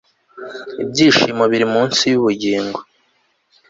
ibyishimo biri munsi yubugingo